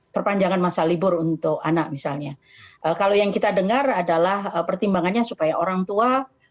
perpanjangan masa libur untuk anak misalnya kalau yang kita dengar adalah pertimbangannya supaya orang tua